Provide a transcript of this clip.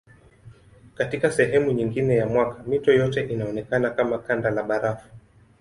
Katika sehemu nyingine ya mwaka mito yote inaonekana kama kanda la barafu.